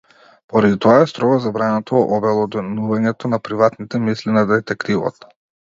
Поради тоа е строго забрането обелоденувањето на приватните мисли на детективот.